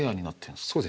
そうです。